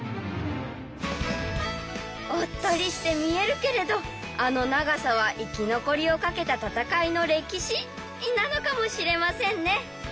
おっとりして見えるけれどあの長さは生き残りを懸けた戦いの歴史なのかもしれませんね。